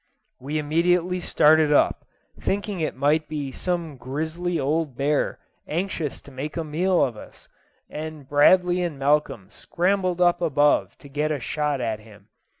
We immediately started up, thinking it might be some grizzly old bear anxious to make a meal of us, and Bradley and Malcolm scrambled up above to get a shot at him.